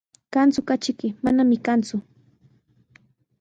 ¿Kanku katriyki? Manami kanku.